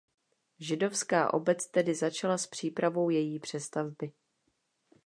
Židovská obec tedy začala s přípravou její přestavby.